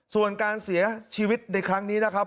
ส่วนการเสียชีวิตในครั้งนี้นะครับ